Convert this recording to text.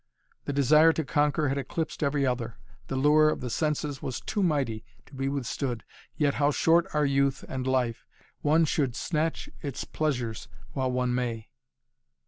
The desire to conquer had eclipsed every other. The lure of the senses was too mighty to be withstood. Yet how short are youth and life! One should snatch its pleasures while one may.